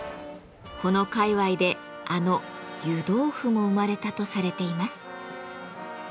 この界わいであの「湯豆腐」も生まれたとされています。